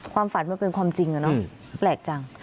ความฝันว่าเป็นความจริงนะแปลกจัง